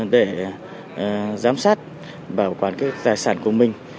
để giám sát và bảo quản tài sản của mình